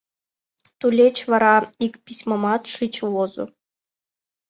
Тулеч вара ик письмамат шыч возо.